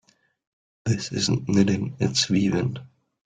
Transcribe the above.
This isn't knitting, its weaving.